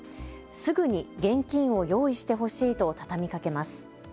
すぐに現金を用意してほしいと畳みかけます。